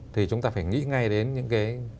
thì chúng ta phải nghĩ ngay đến những cái